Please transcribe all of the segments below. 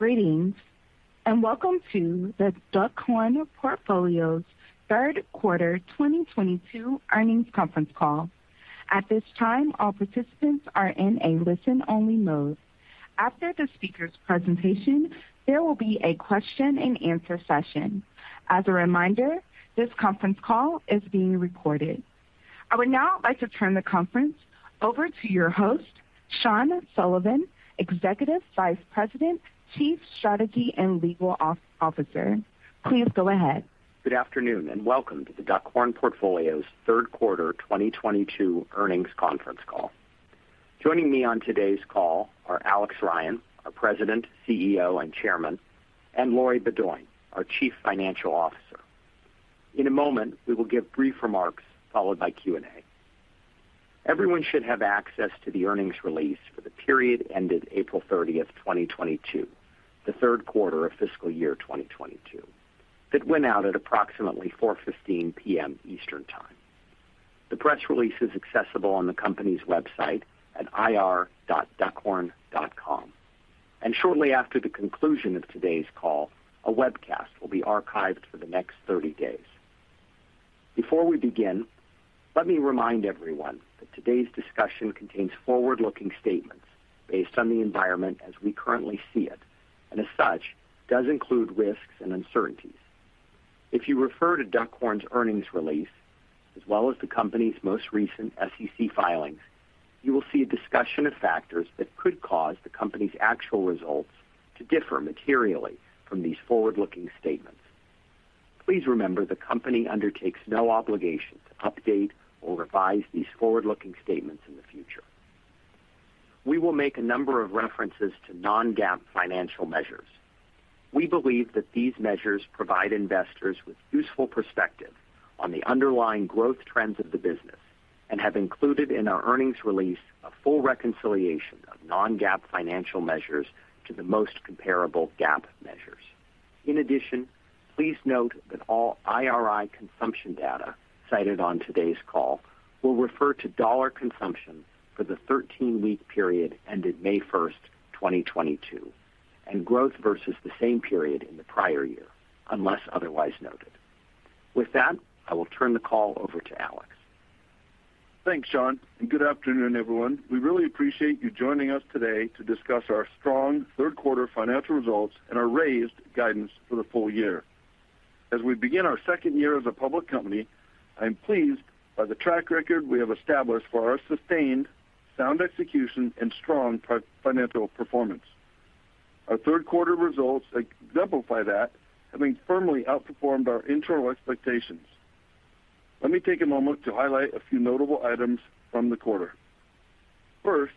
Greetings, and welcome to the Duckhorn Portfolio's third quarter 2022 earnings conference call. At this time, all participants are in a listen-only mode. After the speaker's presentation, there will be a question-and-answer session. As a reminder, this conference call is being recorded. I would now like to turn the conference over to your host, Sean Sullivan, Executive Vice President, Chief Strategy and Legal Officer. Please go ahead. Good afternoon, and welcome to The Duckhorn Portfolio's third quarter 2022 earnings conference call. Joining me on today's call are Alex Ryan, our President, CEO, and Chairman, and Lori Beaudoin, our Chief Financial Officer. In a moment, we will give brief remarks followed by Q&A. Everyone should have access to the earnings release for the period ended April 30th, 2022, the third quarter of fiscal year 2022 that went out at approximately 4:15 P.M. Eastern Time. The press release is accessible on the company's website at ir.duckhorn.com. Shortly after the conclusion of today's call, a webcast will be archived for the next 30 days. Before we begin, let me remind everyone that today's discussion contains forward-looking statements based on the environment as we currently see it, and as such, does include risks and uncertainties. If you refer to Duckhorn's earnings release, as well as the company's most recent SEC filings, you will see a discussion of factors that could cause the company's actual results to differ materially from these forward-looking statements. Please remember the company undertakes no obligation to update or revise these forward-looking statements in the future. We will make a number of references to Non-GAAP financial measures. We believe that these measures provide investors with useful perspective on the underlying growth trends of the business and have included in our earnings release a full reconciliation of Non-GAAP financial measures to the most comparable GAAP measures. In addition, please note that all IRI consumption data cited on today's call will refer to dollar consumption for the 13-week period ended May 1st, 2022, and growth versus the same period in the prior year, unless otherwise noted. With that, I will turn the call over to Alex. Thanks, Sean, and good afternoon, everyone. We really appreciate you joining us today to discuss our strong third quarter financial results and our raised guidance for the full year. As we begin our second year as a public company, I'm pleased by the track record we have established for our sustained sound execution and strong financial performance. Our third quarter results exemplify that, having firmly outperformed our internal expectations. Let me take a moment to highlight a few notable items from the quarter. First,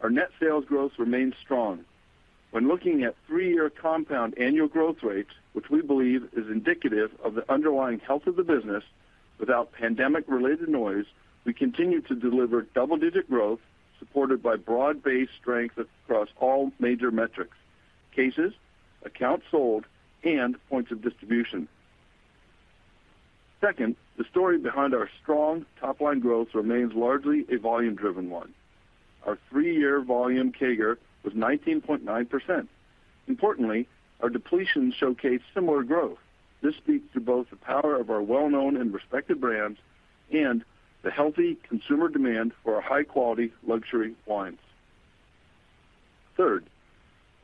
our net sales growth remains strong. When looking at three-year compound annual growth rates, which we believe is indicative of the underlying health of the business without pandemic-related noise, we continue to deliver double-digit growth supported by broad-based strength across all major metrics, cases, accounts sold, and points of distribution. Second, the story behind our strong top line growth remains largely a volume-driven one. Our three-year volume CAGR was 19.9%. Importantly, our depletions showcase similar growth. This speaks to both the power of our well-known and respected brands and the healthy consumer demand for our high-quality luxury wines. Third,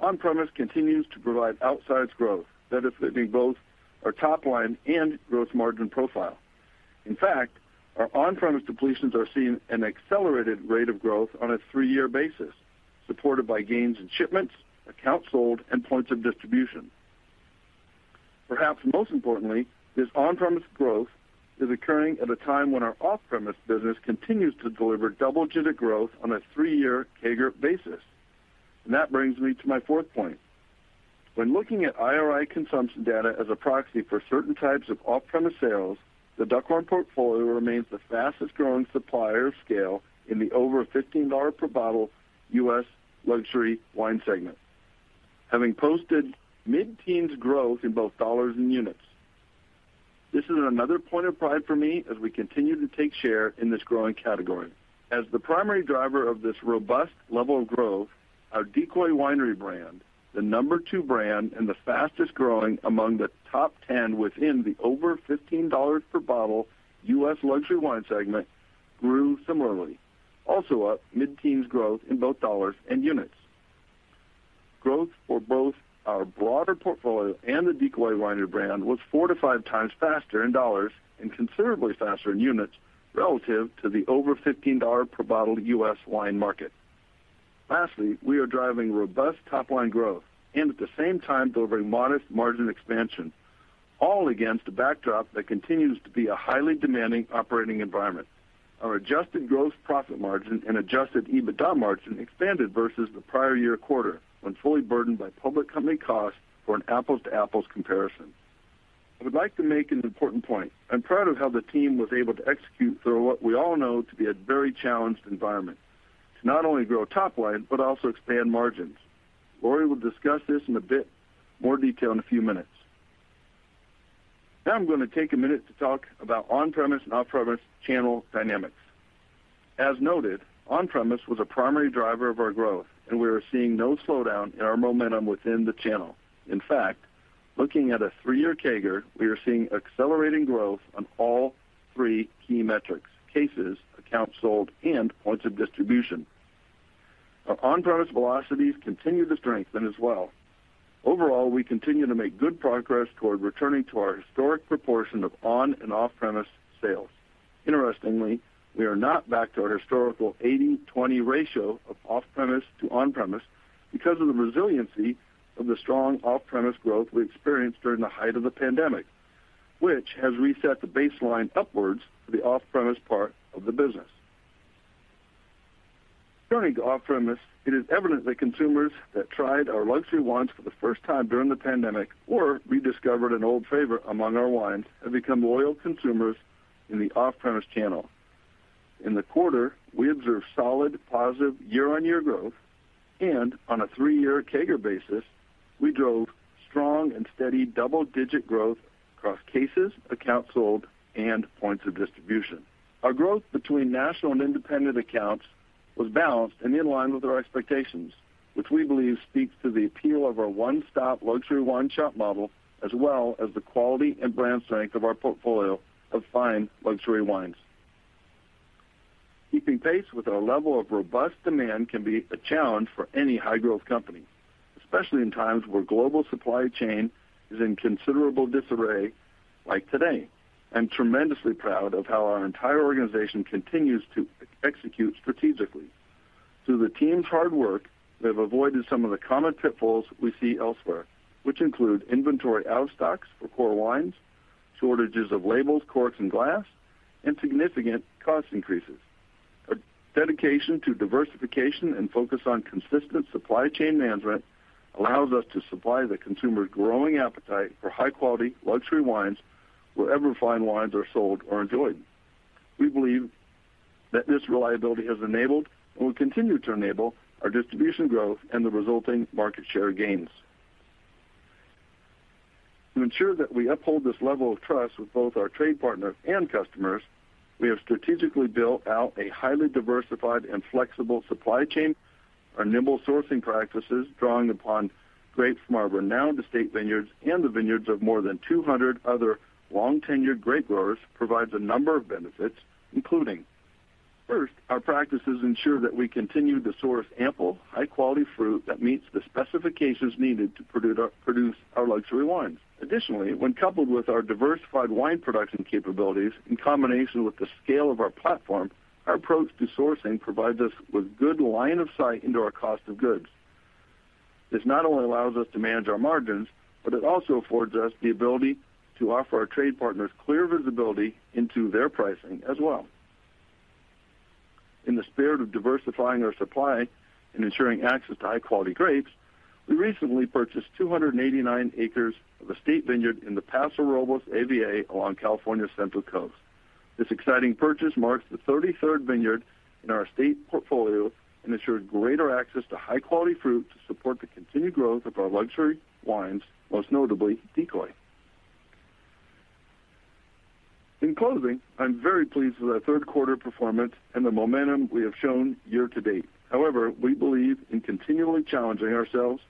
on-premise continues to provide outsized growth, benefiting both our top line and gross margin profile. In fact, our on-premise depletions are seeing an accelerated rate of growth on a three-year basis, supported by gains in shipments, accounts sold, and points of distribution. Perhaps most importantly, this on-premise growth is occurring at a time when our off-premise business continues to deliver double-digit growth on a three-year CAGR basis. That brings me to my fourth point. When looking at IRI consumption data as a proxy for certain types of off-premise sales, the Duckhorn Portfolio remains the fastest growing supplier of scale in the over $15 per bottle U.S. luxury wine segment, having posted mid-teens growth in both dollars and units. This is another point of pride for me as we continue to take share in this growing category. As the primary driver of this robust level of growth, our Decoy Winery brand, the number two brand and the fastest-growing among the top 10 within the over $15 per bottle U.S. luxury wine segment, grew similarly, also up mid-teens growth in both dollars and units. Growth for both our broader portfolio and the Decoy Winery brand was fout to five times faster in dollars and considerably faster in units relative to the over $15 per bottle U.S. wine market. Lastly, we are driving robust top line growth and at the same time delivering modest margin expansion, all against a backdrop that continues to be a highly demanding operating environment. Our adjusted gross profit margin and adjusted EBITDA margin expanded versus the prior year quarter when fully burdened by public company costs for an apples-to-apples comparison. I would like to make an important point. I'm proud of how the team was able to execute through what we all know to be a very challenged environment to not only grow top line but also expand margins. Lori will discuss this in a bit more detail in a few minutes. Now I'm gonna take a minute to talk about on-premise and off-premise channel dynamics. As noted, on-premise was a primary driver of our growth, and we are seeing no slowdown in our momentum within the channel. In fact, looking at a three-year CAGR, we are seeing accelerating growth on all three key metrics, cases, accounts sold, and points of distribution. Our on-premise velocities continue to strengthen as well. Overall, we continue to make good progress toward returning to our historic proportion of on and off-premise sales. Interestingly, we are not back to our historical 80-20 ratio of off-premise to on-premise because of the resiliency of the strong off-premise growth we experienced during the height of the pandemic, which has reset the baseline upwards for the off-premise part of the business. Turning to off-premise, it is evident that consumers that tried our luxury wines for the first time during the pandemic or rediscovered an old favorite among our wines have become loyal consumers in the off-premise channel. In the quarter, we observed solid, positive year-over-year growth and on a three-year CAGR basis, we drove strong and steady double-digit growth across cases, accounts sold, and points of distribution. Our growth between national and independent accounts was balanced and in line with our expectations, which we believe speaks to the appeal of our one-stop luxury wine shop model, as well as the quality and brand strength of our portfolio of fine luxury wines. Keeping pace with our level of robust demand can be a challenge for any high-growth company, especially in times where global supply chain is in considerable disarray like today. I'm tremendously proud of how our entire organization continues to execute strategically. Through the team's hard work, they've avoided some of the common pitfalls we see elsewhere, which include inventory out of stocks for core wines, shortages of labels, corks, and glass, and significant cost increases. Our dedication to diversification and focus on consistent supply chain management allows us to supply the consumer's growing appetite for high-quality luxury wines wherever fine wines are sold or enjoyed. We believe that this reliability has enabled and will continue to enable our distribution growth and the resulting market share gains. To ensure that we uphold this level of trust with both our trade partners and customers, we have strategically built out a highly diversified and flexible supply chain. Our nimble sourcing practices, drawing upon grapes from our renowned estate vineyards and the vineyards of more than 200 other long-tenured grape growers, provides a number of benefits, including, first, our practices ensure that we continue to source ample, high-quality fruit that meets the specifications needed to produce our luxury wines. Additionally, when coupled with our diversified wine production capabilities in combination with the scale of our platform, our approach to sourcing provides us with good line of sight into our cost of goods. This not only allows us to manage our margins, but it also affords us the ability to offer our trade partners clear visibility into their pricing as well. In the spirit of diversifying our supply and ensuring access to high-quality grapes, we recently purchased 289 acres of estate vineyard in the Paso Robles AVA along California's Central Coast. This exciting purchase marks the 33rd vineyard in our estate portfolio and ensures greater access to high-quality fruit to support the continued growth of our luxury wines, most notably Decoy. In closing, I'm very pleased with our third quarter performance and the momentum we have shown year to date. However, we believe in continually challenging ourselves,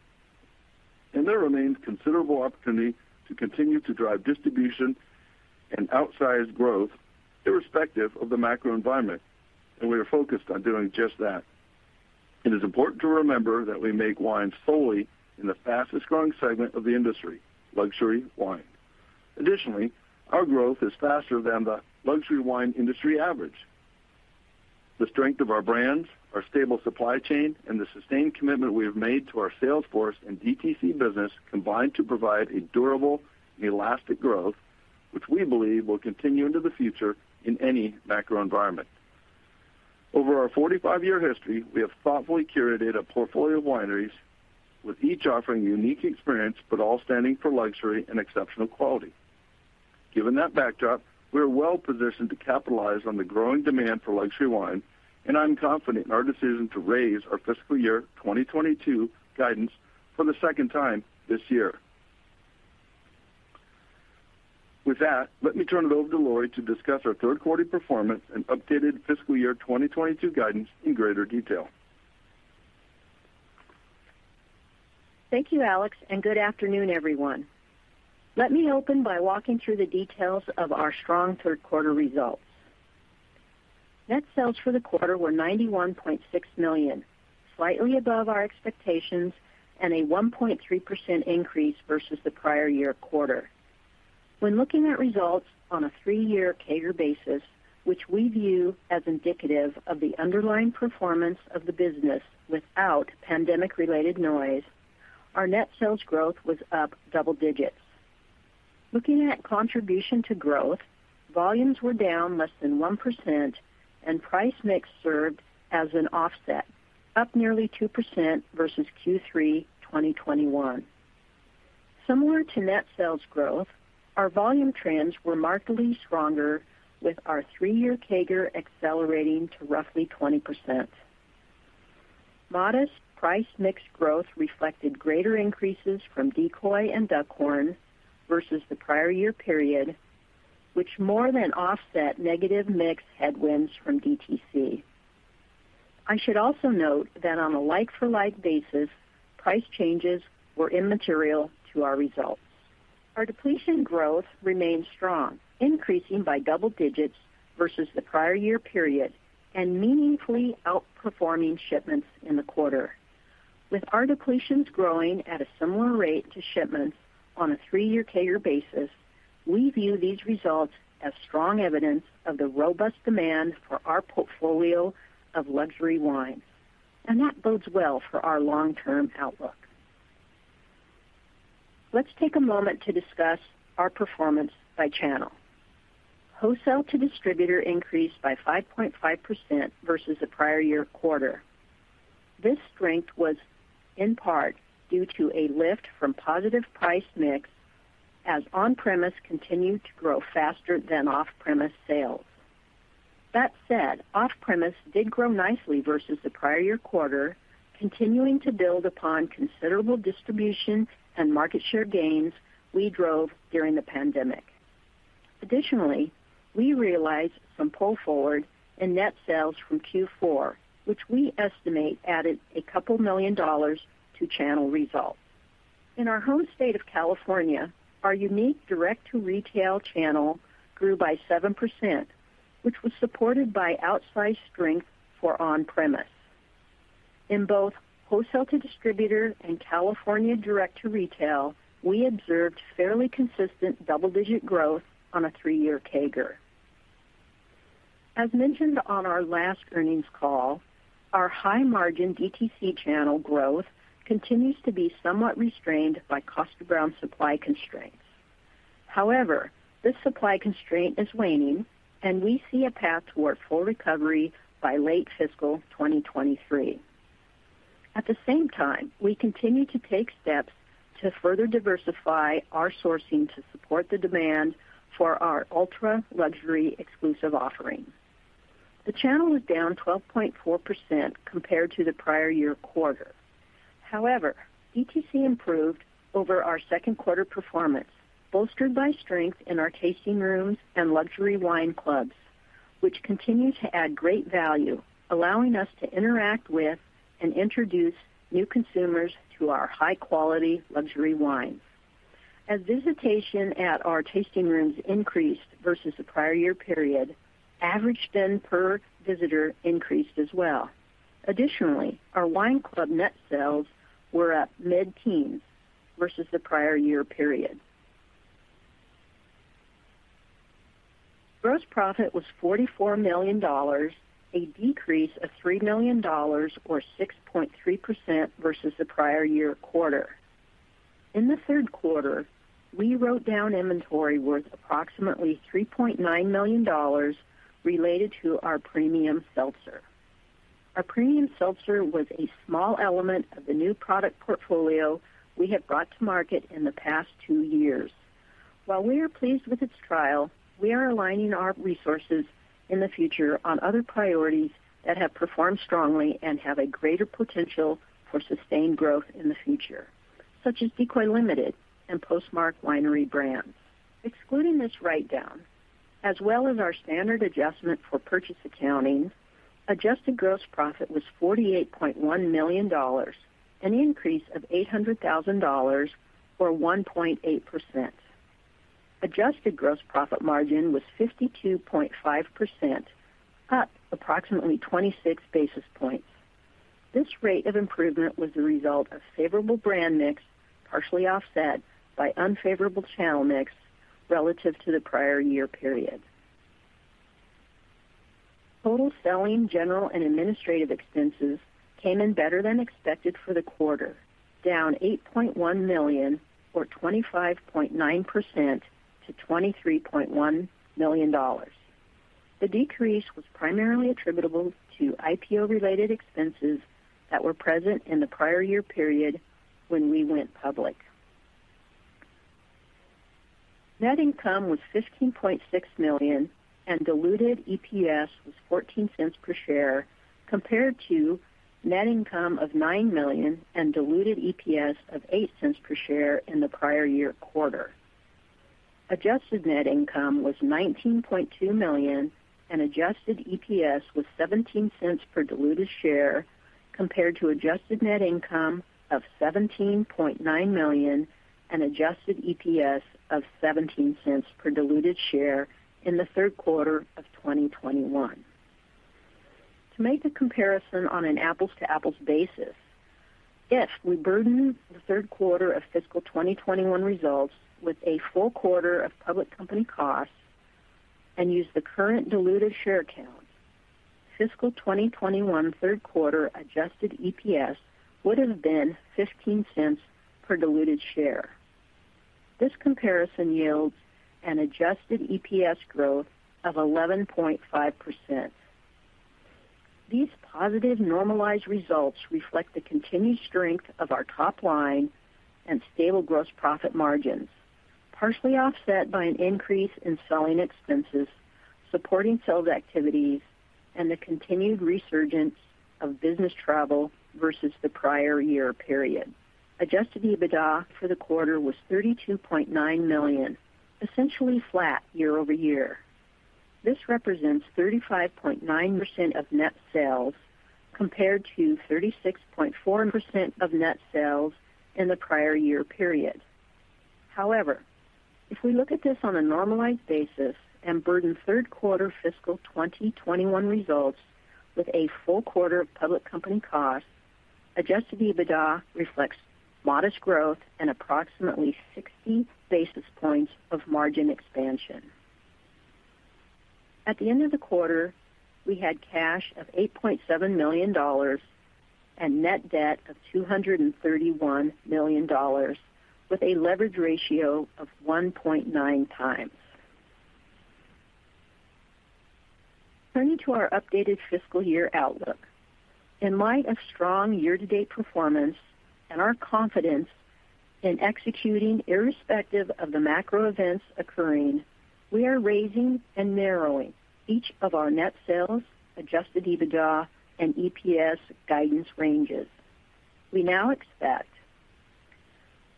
and there remains considerable opportunity to continue to drive distribution and outsized growth irrespective of the macro environment, and we are focused on doing just that. It is important to remember that we make wines solely in the fastest-growing segment of the industry, luxury wine. Additionally, our growth is faster than the luxury wine industry average. The strength of our brands, our stable supply chain, and the sustained commitment we have made to our sales force and DTC business combine to provide a durable and elastic growth, which we believe will continue into the future in any macro environment. Over our 45-year history, we have thoughtfully curated a portfolio of wineries, with each offering a unique experience, but all standing for luxury and exceptional quality. Given that backdrop, we're well-positioned to capitalize on the growing demand for luxury wine, and I'm confident in our decision to raise our fiscal year 2022 guidance for the second time this year. With that, let me turn it over to Lori to discuss our third quarter performance and updated fiscal year 2022 guidance in greater detail. Thank you, Alex, and good afternoon, everyone. Let me open by walking through the details of our strong third quarter results. Net sales for the quarter were $91.6 million, slightly above our expectations and a 1.3% increase versus the prior year quarter. When looking at results on a three-year CAGR basis, which we view as indicative of the underlying performance of the business without pandemic-related noise, our net sales growth was up double digits. Looking at contribution to growth, volumes were down less than 1%, and price mix served as an offset, up nearly 2% versus Q3 2021. Similar to net sales growth, our volume trends were markedly stronger with our three-year CAGR accelerating to roughly 20%. Modest price mix growth reflected greater increases from Decoy and Duckhorn versus the prior year period, which more than offset negative mix headwinds from DTC. I should also note that on a like-for-like basis, price changes were immaterial to our results. Our depletion growth remained strong, increasing by double digits versus the prior year period and meaningfully outperforming shipments in the quarter. With our depletions growing at a similar rate to shipments on a three-year CAGR basis, we view these results as strong evidence of the robust demand for our portfolio of luxury wines, and that bodes well for our long-term outlook. Let's take a moment to discuss our performance by channel. Wholesale to distributor increased by 5.5% versus the prior year quarter. This strength was in part due to a lift from positive price mix as on-premise continued to grow faster than off-premise sales. That said, off-premise did grow nicely versus the prior year quarter, continuing to build upon considerable distribution and market share gains we drove during the pandemic. Additionally, we realized some pull forward in net sales from Q4, which we estimate added $2 million to channel results. In our home state of California, our unique direct-to-retail channel grew by 7%, which was supported by outsized strength for on-premise. In both wholesale to distributor and California direct to retail, we observed fairly consistent double-digit growth on a three-year CAGR. As mentioned on our last earnings call, our high-margin DTC channel growth continues to be somewhat restrained by Kosta Browne supply constraints. However, this supply constraint is waning, and we see a path toward full recovery by late fiscal 2023. At the same time, we continue to take steps to further diversify our sourcing to support the demand for our ultra-luxury exclusive offerings. The channel was down 12.4% compared to the prior year quarter. However, DTC improved over our second quarter performance, bolstered by strength in our tasting rooms and luxury wine clubs, which continue to add great value, allowing us to interact with and introduce new consumers to our high-quality luxury wines. As visitation at our tasting rooms increased versus the prior year period, average spend per visitor increased as well. Additionally, our wine club net sales were up mid-teens versus the prior year period. Gross profit was $44 million, a decrease of $3 million or 6.3% versus the prior year quarter. In the third quarter, we wrote down inventory worth approximately $3.9 million related to our premium seltzer. Our premium seltzer was a small element of the new product portfolio we have brought to market in the past two years. While we are pleased with its trial, we are aligning our resources in the future on other priorities that have performed strongly and have a greater potential for sustained growth in the future, such as Decoy Limited and Postmark winery brands. Excluding this write-down, as well as our standard adjustment for purchase accounting, adjusted gross profit was $48.1 million, an increase of $800 thousand, or 1.8%. Adjusted gross profit margin was 52.5%, up approximately 26 basis points. This rate of improvement was the result of favorable brand mix, partially offset by unfavorable channel mix relative to the prior year period. Total selling, general and administrative expenses came in better than expected for the quarter, down $8.1 million or 25.9% to $23.1 million. The decrease was primarily attributable to IPO-related expenses that were present in the prior year period when we went public. Net income was $15.6 million and diluted EPS was $0.14 per share, compared to net income of $9 million and diluted EPS of $0.08 per share in the prior year quarter. Adjusted net income was $19.2 million and adjusted EPS was $0.17 per diluted share, compared to adjusted net income of $17.9 million and adjusted EPS of $0.17 per diluted share in the third quarter of 2021. To make a comparison on an apples-to-apples basis, if we burden the third quarter of fiscal 2021 results with a full quarter of public company costs and use the current diluted share count, fiscal 2021 third quarter adjusted EPS would have been $0.15 per diluted share. This comparison yields an adjusted EPS growth of 11.5%. These positive normalized results reflect the continued strength of our top line and stable gross profit margins. Partially offset by an increase in selling expenses, supporting sales activities, and the continued resurgence of business travel versus the prior year period. Adjusted EBITDA for the quarter was $32.9 million, essentially flat year-over-year. This represents 35.9% of net sales compared to 36.4% of net sales in the prior year period. However, if we look at this on a normalized basis and burden third quarter fiscal 2021 results with a full quarter of public company costs, adjusted EBITDA reflects modest growth and approximately 60 basis points of margin expansion. At the end of the quarter, we had cash of $8.7 million and net debt of $231 million, with a leverage ratio of 1.9x. Turning to our updated fiscal year outlook. In light of strong year-to-date performance and our confidence in executing irrespective of the macro events occurring, we are raising and narrowing each of our net sales, adjusted EBITDA and EPS guidance ranges. We now expect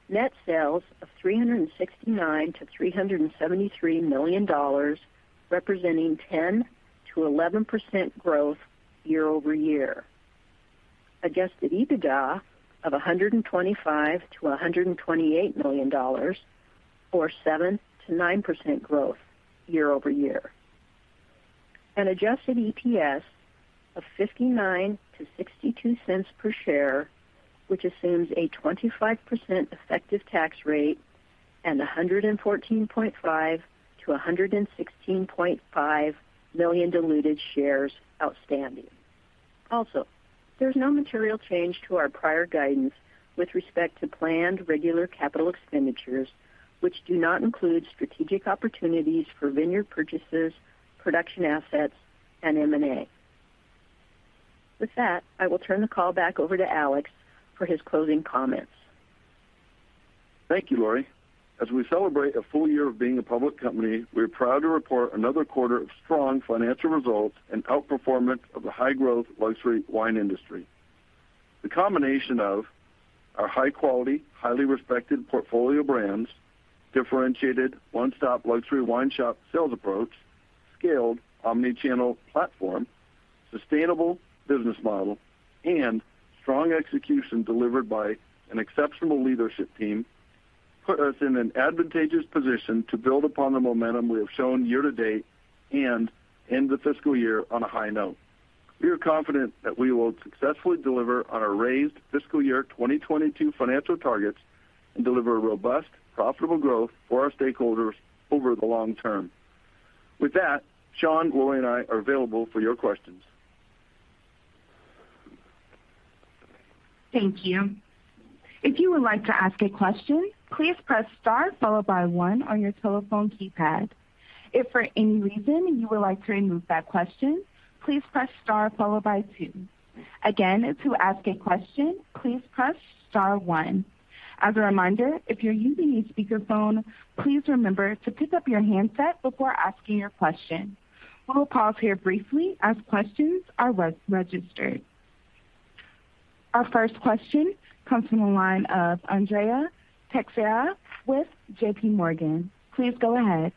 net sales of $369 million to $373 million, representing 10%-11% growth year-over-year. Adjusted EBITDA of $125 million-$128 million, or 7%-9% growth year-over-year. Adjusted EPS of $0.59-$0.62 per share, which assumes a 25% effective tax rate and 114.5 million-116.5 million diluted shares outstanding. Also, there's no material change to our prior guidance with respect to planned regular capital expenditures, which do not include strategic opportunities for vineyard purchases, production assets, and M&A. With that, I will turn the call back over to Alex for his closing comments. Thank you, Lori. As we celebrate a full year of being a public company, we're proud to report another quarter of strong financial results and outperformance of the high-growth luxury wine industry. The combination of our high quality, highly respected portfolio brands, differentiated one-stop luxury wine shop sales approach, scaled omni-channel platform, sustainable business model, and strong execution delivered by an exceptional leadership team, put us in an advantageous position to build upon the momentum we have shown year-to-date and end the fiscal year on a high note. We are confident that we will successfully deliver on our raised fiscal year 2022 financial targets and deliver robust, profitable growth for our stakeholders over the long-term. With that, Sean, Lori, and I are available for your questions. Thank you. If you would like to ask a question, please press Star followed by one on your telephone keypad. If for any reason you would like to remove that question, please press Star followed by two. Again, to ask a question, please press Star one. As a reminder, if you're using a speakerphone, please remember to pick up your handset before asking your question. We'll pause here briefly as questions are re-registered. Our first question comes from the line of Andrea Teixeira with JPMorgan. Please go ahead.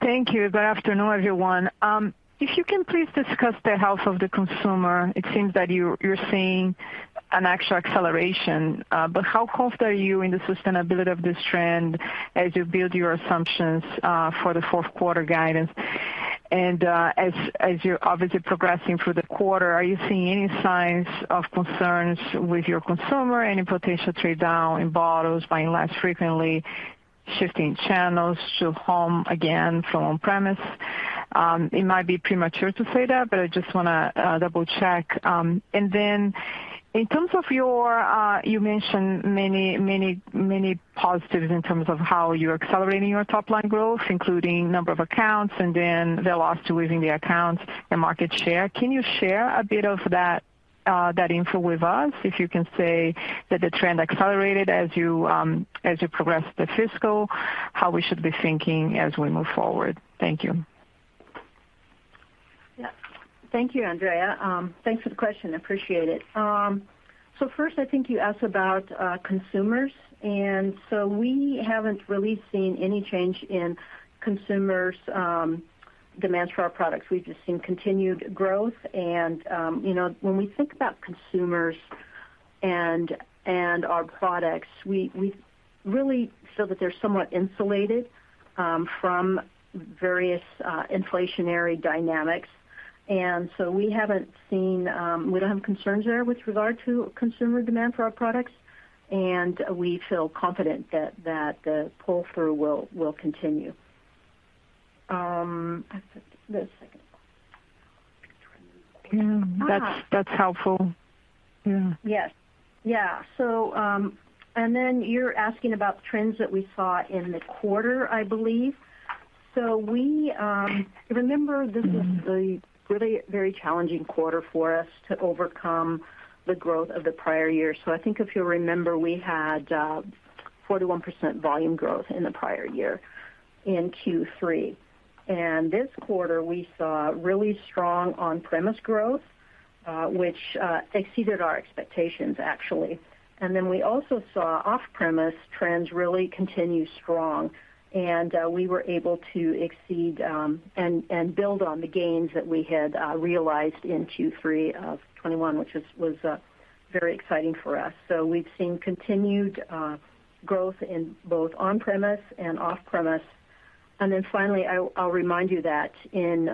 Thank you. Good afternoon, everyone. If you can please discuss the health of the consumer, it seems that you're seeing an actual acceleration. But how confident are you in the sustainability of this trend as you build your assumptions for the fourth quarter guidance? As you're obviously progressing through the quarter, are you seeing any signs of concerns with your consumer, any potential trade down in bottles, buying less frequently, shifting channels to home again from on-premise? It might be premature to say that, but I just wanna double-check. In terms of, you mentioned many positives in terms of how you're accelerating your top line growth, including number of accounts and then the load within the accounts and market share. Can you share a bit of that info with us? If you can say that the trend accelerated as you progress the fiscal, how we should be thinking as we move forward? Thank you. Yeah. Thank you, Andrea. Thanks for the question. Appreciate it. So first, I think you asked about consumers. We haven't really seen any change in consumers' demand for our products. We've just seen continued growth, and you know, when we think about consumers and our products, we really feel that they're somewhat insulated from various inflationary dynamics. We don't have concerns there with regard to consumer demand for our products, and we feel confident that the pull-through will continue. The second question. Yeah, that's helpful. Yeah. You're asking about trends that we saw in the quarter, I believe. Remember this was a really very challenging quarter for us to overcome the growth of the prior year. I think if you remember, we had 41% volume growth in the prior year in Q3. This quarter we saw really strong on-premise growth, which exceeded our expectations, actually. We also saw off-premise trends really continue strong, and we were able to exceed and build on the gains that we had realized in Q3 of 2021, which was very exciting for us. We've seen continued growth in both on-premise and off-premise. Finally, I'll remind you that in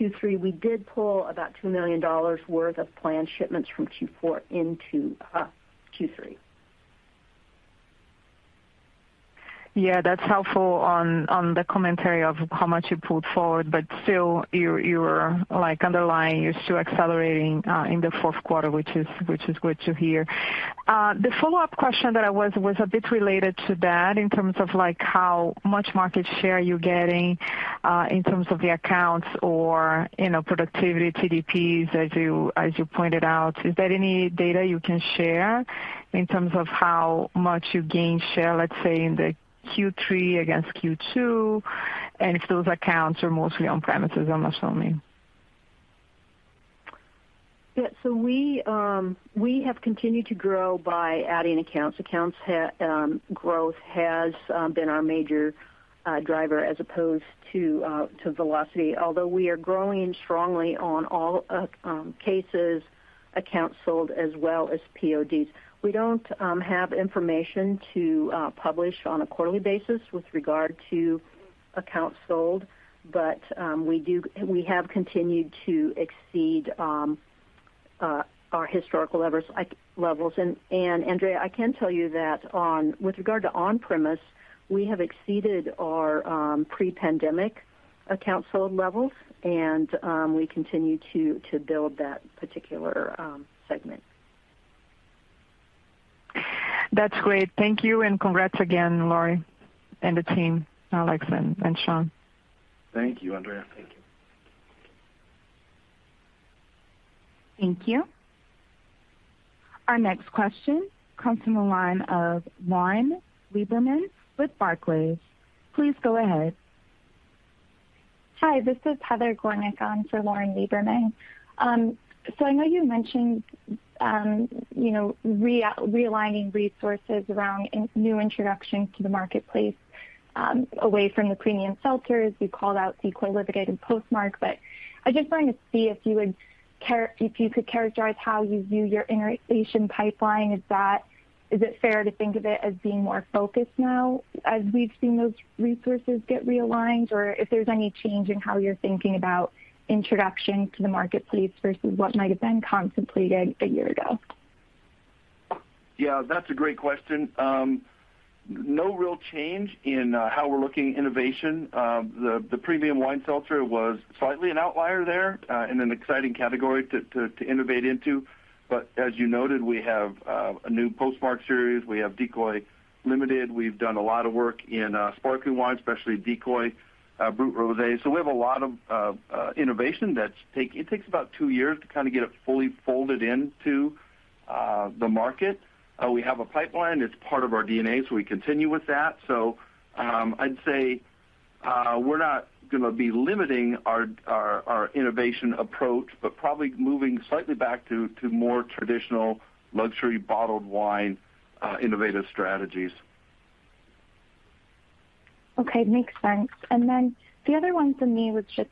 Q3, we did pull about $2 million worth of planned shipments from Q4 into Q3. Yeah, that's helpful on the commentary of how much you pulled forward, but still you're underlying, you're still accelerating in the fourth quarter, which is good to hear. The follow-up question that I was a bit related to that in terms of like how much market share you're getting in terms of the accounts or, you know, productivity TDPs, as you pointed out. Is there any data you can share in terms of how much you gained share, let's say in the Q3 against Q2, and if those accounts are mostly on-premises or not so many? We have continued to grow by adding accounts. Accounts growth has been our major driver as opposed to velocity. Although we are growing strongly on all cases, accounts sold, as well as PODs. We don't have information to publish on a quarterly basis with regard to accounts sold, but we have continued to exceed our historical levels. Andrea, I can tell you that with regard to on-premise, we have exceeded our pre-pandemic accounts sold levels, and we continue to build that particular segment. That's great. Thank you and congrats again, Lori and the team, Alex and Sean. Thank you, Andrea. Thank you. Thank you. Our next question comes from the line of Lauren Lieberman with Barclays. Please go ahead. Hi, this is Heather Gornik on for Lauren Lieberman. I know you mentioned, you know, realigning resources around new introduction to the marketplace, away from the premium seltzers. You called out Decoy Limited and Postmark, but I just wanted to see if you could characterize how you view your innovation pipeline. Is it fair to think of it as being more focused now as we've seen those resources get realigned? If there's any change in how you're thinking about introduction to the marketplace versus what might have been contemplated a year ago? Yeah, that's a great question. No real change in how we're looking at innovation. The premium wine seltzer was slightly an outlier there, in an exciting category to innovate into. As you noted, we have a new Postmark series. We have Decoy Limited. We've done a lot of work in sparkling wine, especially Decoy Brut Rosé. We have a lot of innovation that takes about two years to kinda get it fully folded into the market. We have a pipeline. It's part of our DNA, so we continue with that. I'd say, we're not gonna be limiting our innovation approach, but probably moving slightly back to more traditional luxury bottled wine innovative strategies. Okay. Makes sense. The other one for me was just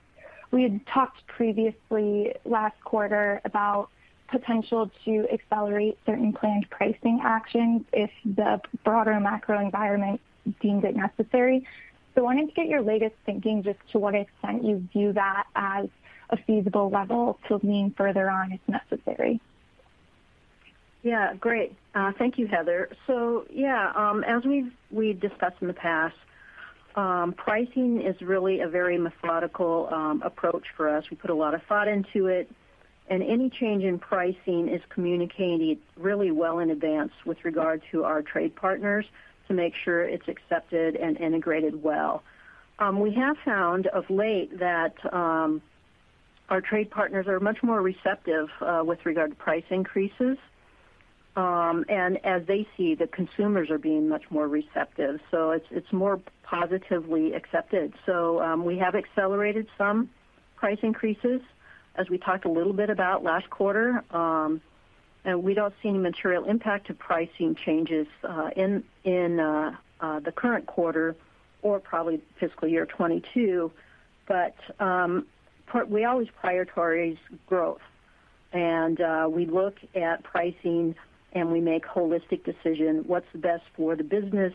we had talked previously last quarter about potential to accelerate certain planned pricing actions if the broader macro environment deemed it necessary. Wanting to get your latest thinking just to what extent you view that as a feasible level to lean further on if necessary? Yeah. Great. Thank you, Heather. Yeah, as we've discussed in the past, pricing is really a very methodical approach for us. We put a lot of thought into it, and any change in pricing is communicated really well in advance with regard to our trade partners to make sure it's accepted and integrated well. We have found of late that our trade partners are much more receptive with regard to price increases. And as they see, the consumers are being much more receptive, so it's more positively accepted. We have accelerated some price increases, as we talked a little bit about last quarter. We don't see any material impact to pricing changes in the current quarter or probably fiscal year 2022. We always prioritize growth and we look at pricing, and we make holistic decision what's best for the business,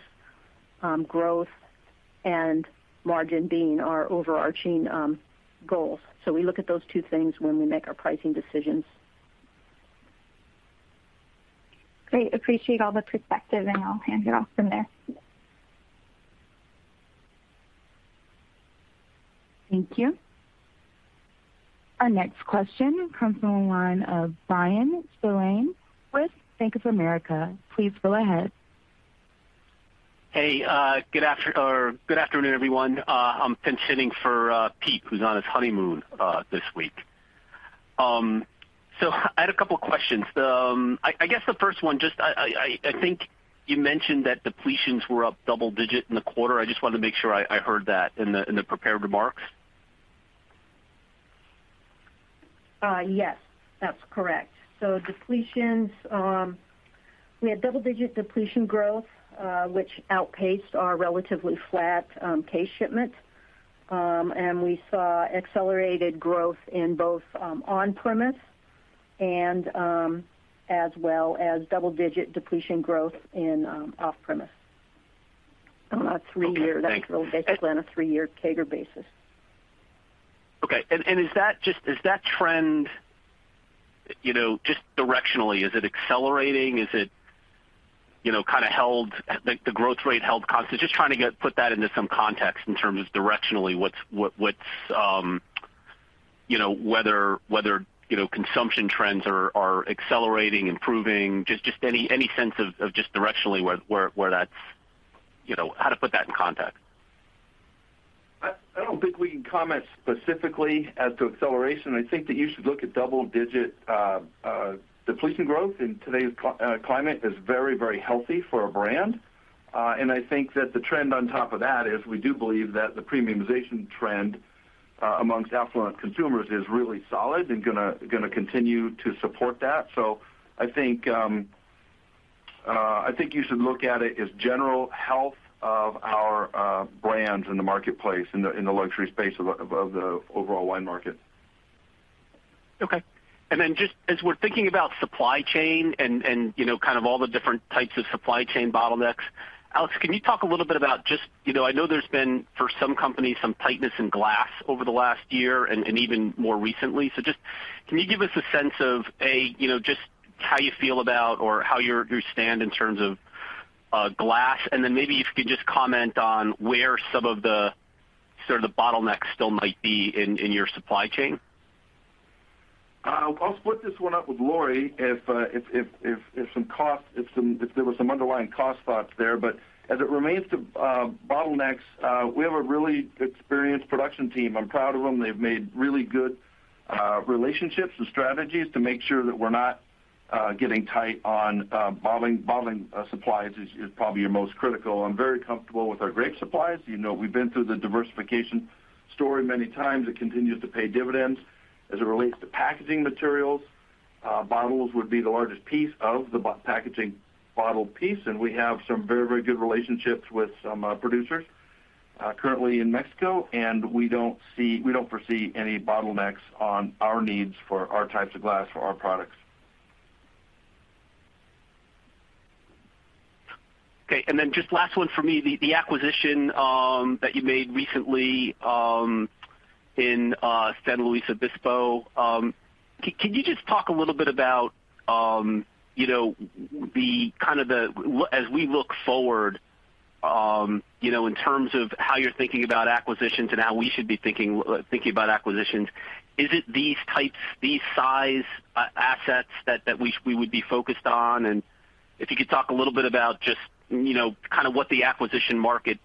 growth and margin being our overarching goals. We look at those two things when we make our pricing decisions. Great. Appreciate all the perspective, and I'll hand it off from there. Thank you. Our next question comes from the line of Bryan Spillane with Bank of America. Please go ahead. Hey, good afternoon, everyone. I'm pinch-hitting for Pete, who's on his honeymoon this week. I had a couple of questions. I guess the first one, just I think you mentioned that depletions were up double-digit in the quarter. I just wanted to make sure I heard that in the prepared remarks. Yes, that's correct. Depletions, we had double-digit depletion growth, which outpaced our relatively flat case shipments. We saw accelerated growth in both on-premise and as well as double-digit depletion growth in off-premise. On a three-year- Okay, thank you. That's growth basically on a three-year CAGR basis. Okay. Is that trend, you know, just directionally, is it accelerating? Is it, you know, kinda held, like the growth rate held constant? Just trying to put that into some context in terms of directionally, what's, you know, whether, you know, consumption trends are accelerating, improving, just any sense of just directionally where that's, you know, how to put that in context. I don't think we can comment specifically as to acceleration. I think that you should look at double-digit depletion growth in today's climate is very, very healthy for our brand. I think that the trend on top of that is we do believe that the premiumization trend among affluent consumers is really solid and gonna continue to support that. I think you should look at it as general health of our brands in the marketplace, in the luxury space of the overall wine market. Okay. Just as we're thinking about supply chain and you know kind of all the different types of supply chain bottlenecks, Alex, can you talk a little bit about just you know I know there's been for some companies some tightness in glass over the last year and even more recently. Just can you give us a sense of you know just how you feel about or how your stance in terms of glass? Maybe if you could just comment on where some of the sort of bottlenecks still might be in your supply chain. I'll split this one up with Lori. If there were some underlying cost spots there. As it relates to bottlenecks, we have a really experienced production team. I'm proud of them. They've made really good relationships and strategies to make sure that we're not getting tight on bottling supplies, is probably your most critical. I'm very comfortable with our grape supplies. You know, we've been through the diversification story many times. It continues to pay dividends. As it relates to packaging materials, bottles would be the largest piece of the packaging bottle piece, and we have some very, very good relationships with some producers currently in Mexico, and we don't foresee any bottlenecks on our needs for our types of glass for our products. Okay. Just last one for me, the acquisition that you made recently in San Luis Obispo. Can you just talk a little bit about, you know, as we look forward, you know, in terms of how you're thinking about acquisitions and how we should be thinking about acquisitions? Is it these types, these size assets that we would be focused on? If you could talk a little bit about just, you know, kinda what the acquisition market,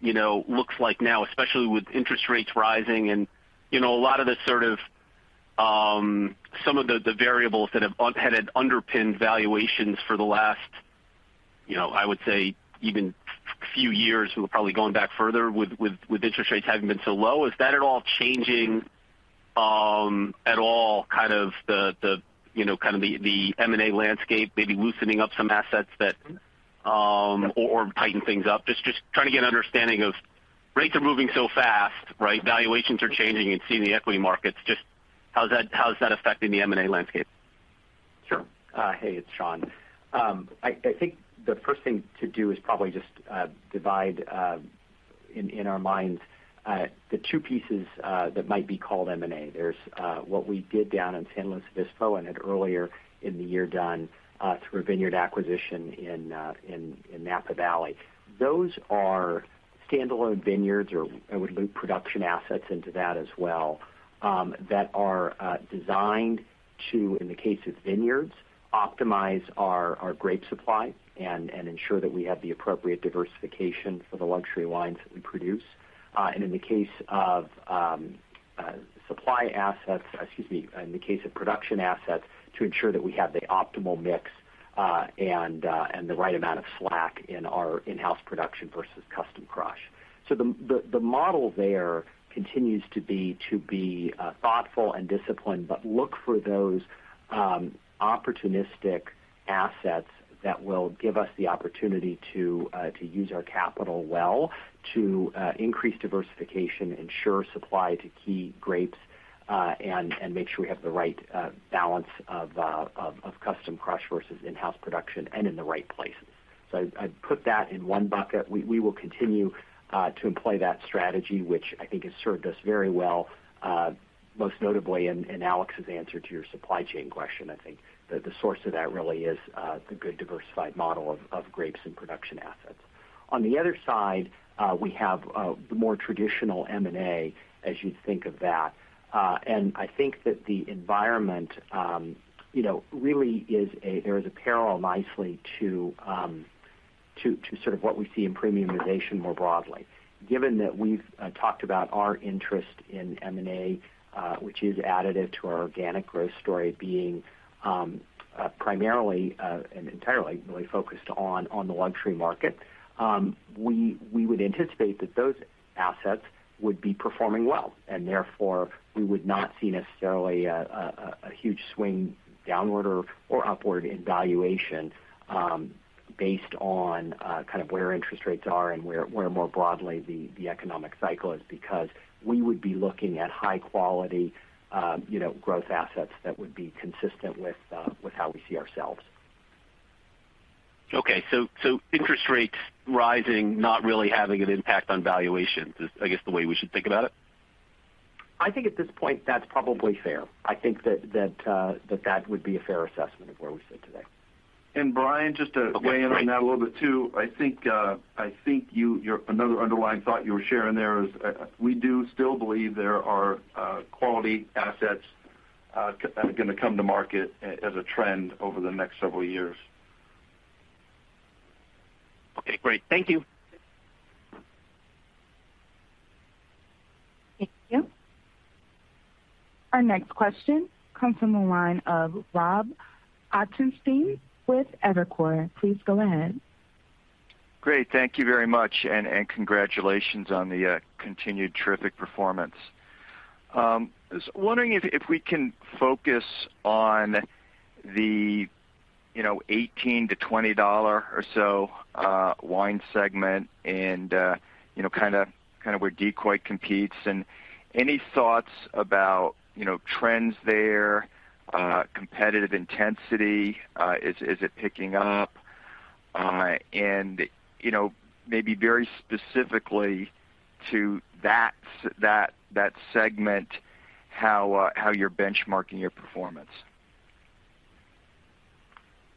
you know, looks like now, especially with interest rates rising and, you know, a lot of the sort of, some of the variables that have had underpinned valuations for the last, you know, I would say even few years, we're probably going back further with interest rates having been so low. Is that at all changing, at all kind of the, you know, kind of the M&A landscape, maybe loosening up some assets that, or tighten things up? Just trying to get an understanding of rates are moving so fast, right? Valuations are changing and seeing the equity markets, just how is that, how is that affecting the M&A landscape? Sure. Hey, it's Sean. I think the first thing to do is probably just divide in our minds the two pieces that might be called M&A. There's what we did down in San Luis Obispo and had earlier in the year done through a vineyard acquisition in Napa Valley. Those are standalone vineyards or I would loop production assets into that as well, that are designed to, in the case of vineyards, optimize our grape supply and ensure that we have the appropriate diversification for the luxury wines that we produce. In the case of supply assets, excuse me, in the case of production assets, to ensure that we have the optimal mix and the right amount of slack in our in-house production versus custom crush. The model there continues to be thoughtful and disciplined, but look for those opportunistic assets that will give us the opportunity to use our capital well to increase diversification, ensure supply to key grapes, and make sure we have the right balance of custom crush versus in-house production and in the right places. I'd put that in one bucket. We will continue to employ that strategy, which I think has served us very well, most notably in Alex's answer to your supply chain question. I think the source of that really is the good diversified model of grapes and production assets. On the other side, we have the more traditional M&A as you think of that. I think that the environment, you know, really is—there is a parallel nicely to sort of what we see in premiumization more broadly. Given that we've talked about our interest in M&A, which is additive to our organic growth story being primarily and entirely really focused on the luxury market, we would anticipate that those assets would be performing well, and therefore we would not see necessarily a huge swing downward or upward in valuation, based on kind of where interest rates are and where more broadly the economic cycle is, because we would be looking at high quality, you know, growth assets that would be consistent with how we see ourselves. Interest rates rising not really having an impact on valuations is, I guess, the way we should think about it? I think at this point, that's probably fair. I think that would be a fair assessment of where we sit today. Bryan, just to weigh in on that a little bit too. I think another underlying thought you were sharing there is, we do still believe there are quality assets that are gonna come to market as a trend over the next several years. Okay, great. Thank you. Thank you. Our next question comes from the line of Rob Ottenstein with Evercore. Please go ahead. Great. Thank you very much, and congratulations on the continued terrific performance. I was wondering if we can focus on the $18-$20 or so wine segment and you know kinda where Decoy competes, and any thoughts about you know trends there, competitive intensity, is it picking up? And you know maybe very specifically to that segment, how you're benchmarking your performance.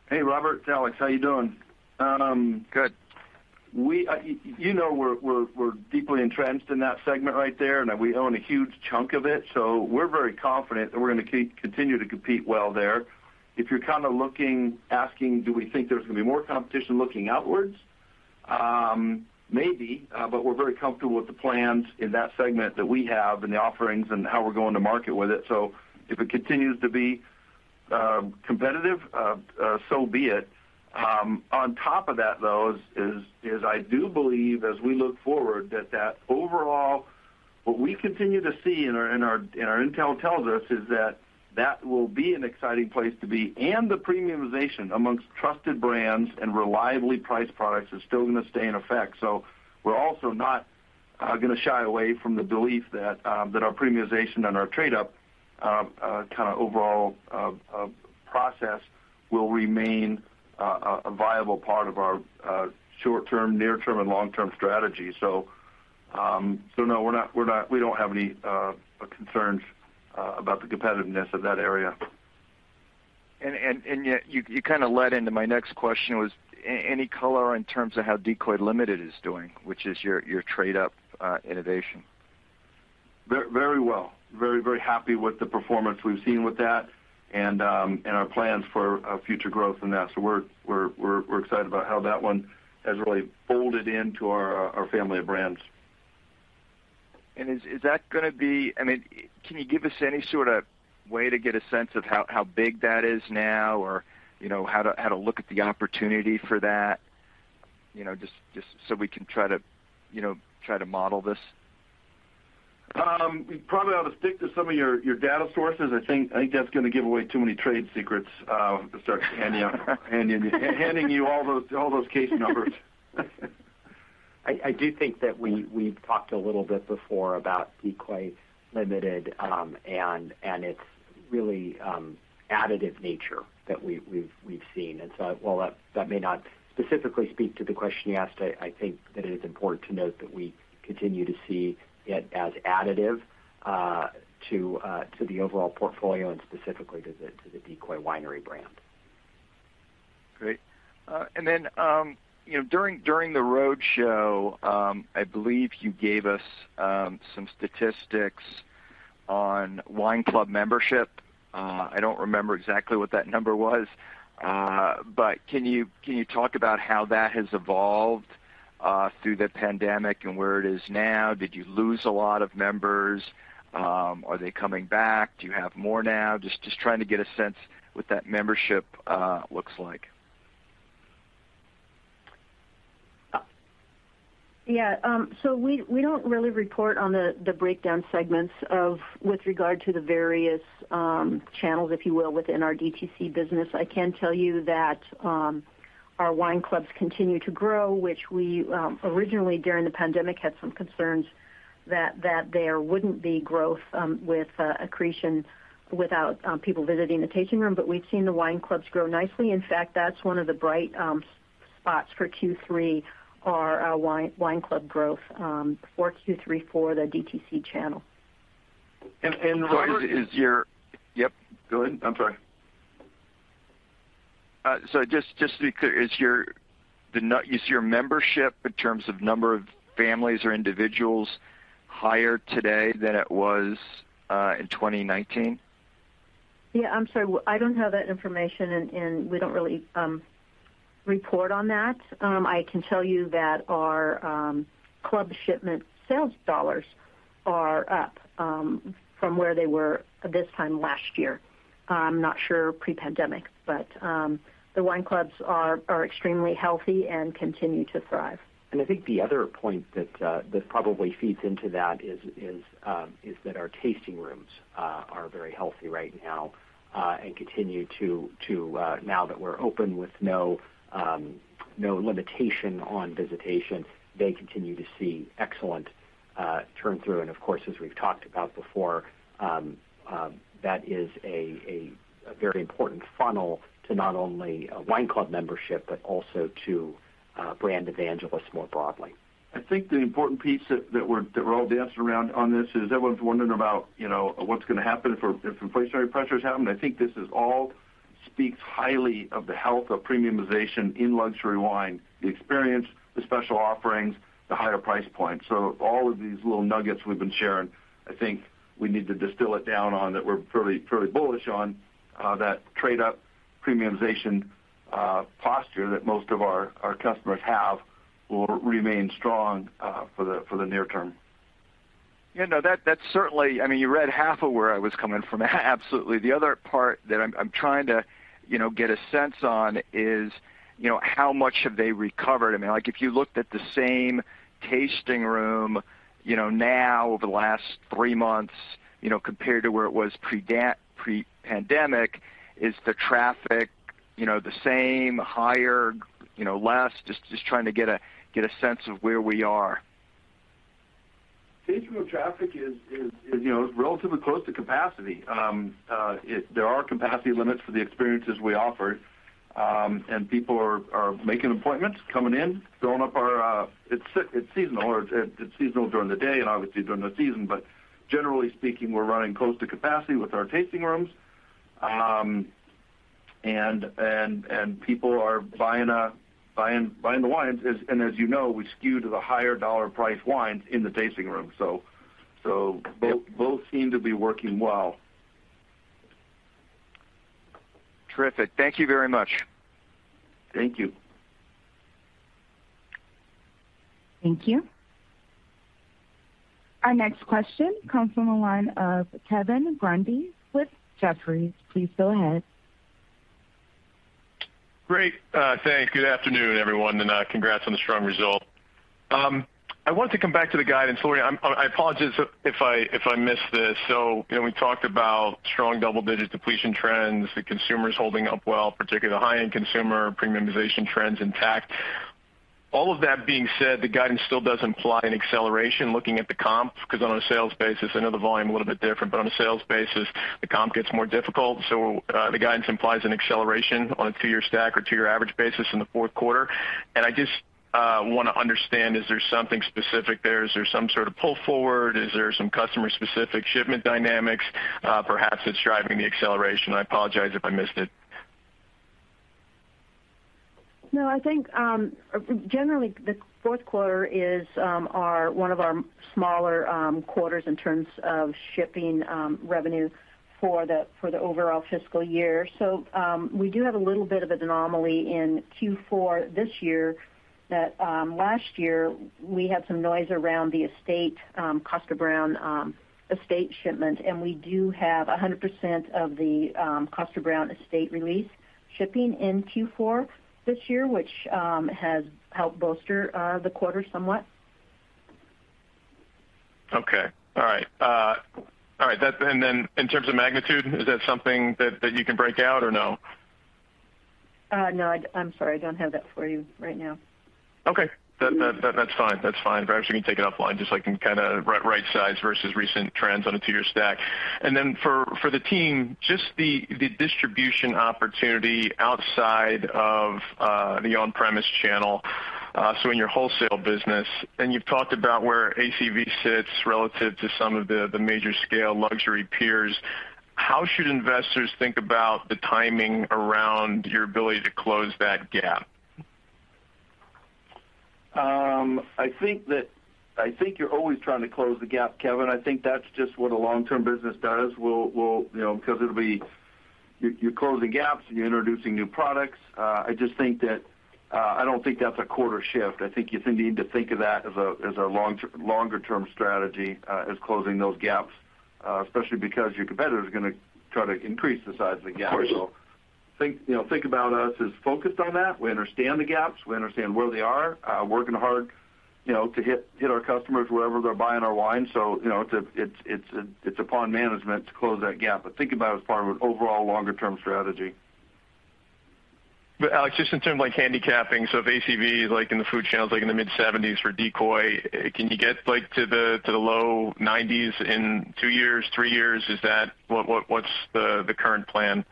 Hey, Robert, it's Alex. How you doing? Good. You know, we're deeply entrenched in that segment right there, and that we own a huge chunk of it, so we're very confident that we're gonna continue to compete well there. If you're kinda looking, asking, do we think there's gonna be more competition looking outwards? Maybe, but we're very comfortable with the plans in that segment that we have and the offerings and how we're going to market with it. If it continues to be competitive, so be it. On top of that, though, is I do believe as we look forward that overall, what we continue to see in our intel tells us is that that will be an exciting place to be, and the premiumization amongst trusted brands and reliably priced products is still gonna stay in effect. We're also not gonna shy away from the belief that our premiumization and our trade-up kinda overall process will remain a viable part of our short-term, near-term, and long-term strategy. No, we're not. We don't have any concerns about the competitiveness of that area. Yet you kinda led into my next question was any color in terms of how Decoy Limited is doing, which is your trade-up innovation. Very well. Very, very happy with the performance we've seen with that and our plans for future growth in that. We're excited about how that one has really folded into our family of brands. Is that gonna be? I mean, can you give us any sorta way to get a sense of how big that is now or, you know, how to look at the opportunity for that? You know, just so we can try to, you know, try to model this. You probably ought to stick to some of your data sources. I think that's gonna give away too many trade secrets to start handing you all those case numbers. I do think that we've talked a little bit before about Decoy Limited and its really additive nature that we've seen. While that may not specifically speak to the question you asked, I think that it is important to note that we continue to see it as additive to the overall portfolio and specifically to the Decoy Winery brand. Great. You know, during the roadshow, I believe you gave us some statistics on wine club membership. I don't remember exactly what that number was, but can you talk about how that has evolved through the pandemic and where it is now? Did you lose a lot of members? Are they coming back? Do you have more now? Just trying to get a sense what that membership looks like. Yeah. So we don't really report on the breakdown segments of with regard to the various channels, if you will, within our DTC business. I can tell you that our wine clubs continue to grow, which we originally during the pandemic had some concerns that there wouldn't be growth with accretion without people visiting the tasting room. We've seen the wine clubs grow nicely. In fact, that's one of the bright spots for Q3 are our wine club growth for Q3 for the DTC channel. Robert, is your? Sorry. Yep, go ahead. I'm sorry. Just to be clear, is your membership in terms of number of families or individuals higher today than it was in 2019? Yeah, I'm sorry. I don't have that information, and we don't really report on that. I can tell you that our club shipment sales dollars are up from where they were at this time last year. I'm not sure pre-pandemic, but the wine clubs are extremely healthy and continue to thrive. I think the other point that probably feeds into that is that our tasting rooms are very healthy right now and now that we're open with no limitation on visitation, they continue to see excellent turn through. Of course, as we've talked about before, that is a very important funnel to not only a wine club membership, but also to brand evangelists more broadly. I think the important piece that we're all dancing around on this is everyone's wondering about, you know, what's gonna happen if inflationary pressures happen. I think this is all speaks highly of the health of premiumization in luxury wine, the experience, the special offerings, the higher price points. All of these little nuggets we've been sharing, I think we need to distill it down on that we're fairly bullish on that trade up premiumization posture that most of our customers have will remain strong for the near term. Yeah, no, that's certainly. I mean, you read half of where I was coming from. Absolutely. The other part that I'm trying to, you know, get a sense on is, you know, how much have they recovered? I mean, like, if you looked at the same tasting room, you know, now over the last three months, you know, compared to where it was pre-pandemic, is the traffic, you know, the same, higher, you know, less? Just trying to get a sense of where we are. Tasting room traffic is, you know, relatively close to capacity. There are capacity limits for the experiences we offer. People are making appointments, coming in, filling up our. It's seasonal during the day and obviously during the season. Generally speaking, we're running close to capacity with our tasting rooms. People are buying the wines. As you know, we skew to the higher dollar price wines in the tasting room. Both seem to be working well. Terrific. Thank you very much. Thank you. Thank you. Our next question comes from the line of Kevin Grundy with Jefferies. Please go ahead. Great. Thanks. Good afternoon, everyone, and congrats on the strong result. I want to come back to the guidance. Lori, I apologize if I missed this. You know, we talked about strong double-digit depletion trends, the consumers holding up well, particularly the high-end consumer premiumization trends intact. All of that being said, the guidance still doesn't imply an acceleration looking at the comp, 'cause on a sales basis, I know the volume a little bit different, but on a sales basis, the comp gets more difficult. The guidance implies an acceleration on a two-year stack or two-year average basis in the fourth quarter. I just wanna understand, is there something specific there? Is there some sort of pull forward? Is there some customer-specific shipment dynamics, perhaps that's driving the acceleration? I apologize if I missed it. No, I think generally the fourth quarter is one of our smaller quarters in terms of shipping revenue for the overall fiscal year. We do have a little bit of an anomaly in Q4 this year, that last year we had some noise around the estate Kosta Browne estate shipment, and we do have 100% of the Kosta Browne estate release shipping in Q4 this year, which has helped bolster the quarter somewhat. Okay. All right. In terms of magnitude, is that something that you can break out or no? No, I'm sorry. I don't have that for you right now. Okay. That's fine. That's fine. Perhaps we can take it offline, just so I can kinda rightsize versus recent trends on a two-year stack. Then for the team, just the distribution opportunity outside of the on-premise channel, so in your wholesale business, and you've talked about where ACV sits relative to some of the large-scale luxury peers. How should investors think about the timing around your ability to close that gap? I think you're always trying to close the gap, Kevin. I think that's just what a long-term business does. We'll, you know, 'cause it'll be, you're closing gaps and you're introducing new products. I just think that I don't think that's a quarter shift. I think you need to think of that as a longer term strategy, as closing those gaps, especially because your competitor's gonna try to increase the size of the gap. Of course. You know, think about us as focused on that. We understand the gaps. We understand where they are. Working hard, you know, to hit our customers wherever they're buying our wine. You know, it's upon management to close that gap, but think about it as part of an overall longer-term strategy. Alex, just in terms of like handicapping, so if ACV is like in the food channels, like in the mid-70s for Decoy, can you get like to the low 90s in two years, three years? Is that? What's the current plan?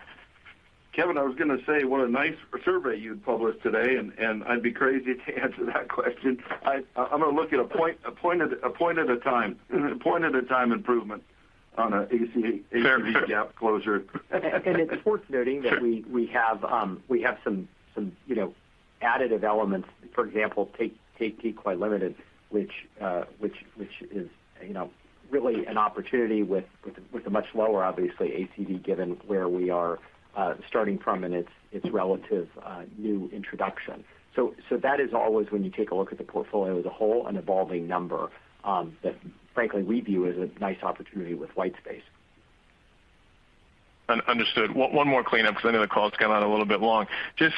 Kevin, I was gonna say what a nice survey you'd published today, and I'd be crazy to answer that question. I'm gonna look at one point at a time improvement on ACV. Fair ACV gap closure. It's worth noting that we have some, you know, additive elements. For example, take Decoy Limited, which is, you know, really an opportunity with a much lower, obviously ACV, given where we are starting from and its relative new introduction. So that is always, when you take a look at the portfolio as a whole, an evolving number that frankly, we view as a nice opportunity with white space. Understood. One more cleanup 'cause I know the call's gone on a little bit long. Just,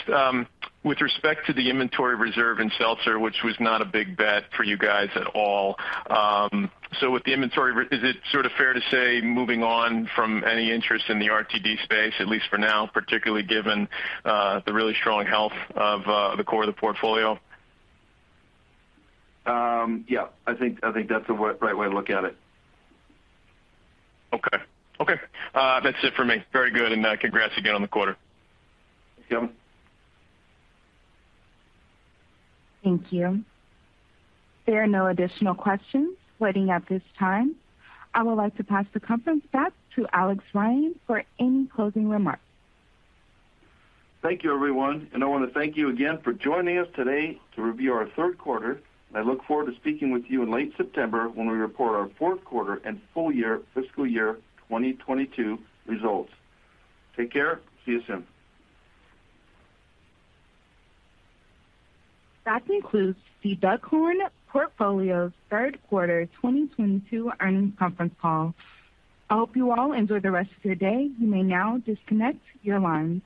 with respect to the inventory reserve in seltzer, which was not a big bet for you guys at all. With the inventory reserve, is it sort of fair to say moving on from any interest in the RTD space, at least for now, particularly given the really strong health of the core of the portfolio? Yeah, I think that's the right way to look at it. Okay. Okay. That's it for me. Very good, and congrats again on the quarter. Thanks, Kevin. Thank you. There are no additional questions waiting at this time. I would like to pass the conference back to Alex Ryan for any closing remarks. Thank you, everyone, and I wanna thank you again for joining us today to review our third quarter, and I look forward to speaking with you in late September when we report our fourth quarter and full year fiscal year 2022 results. Take care. See you soon. That concludes The Duckhorn Portfolio third quarter 2022 earnings conference call. I hope you all enjoy the rest of your day. You may now disconnect your lines.